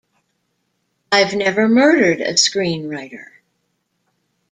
I've never murdered a screenwriter.